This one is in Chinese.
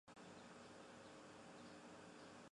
即对死机和假死机的判断存在各人间的特异性。